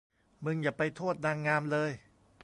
มึงอย่าไปโทษนางงามเลย